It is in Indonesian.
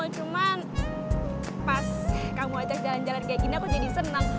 cuman pas kamu ajak jalan jalan kayak gini aku jadi senang